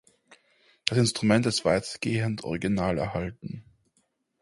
Das Instrument ist weitgehend original erhalten.